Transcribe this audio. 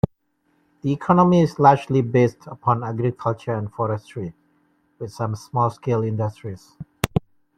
The economy is largely based upon agriculture and forestry, with some small-scale industries.